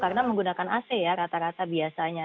karena menggunakan ac ya rata rata biasanya